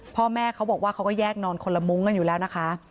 พ่อแม่เขาบอกว่าเขาก็แยกนอนคนละมุ้งกันอยู่แล้วนะคะ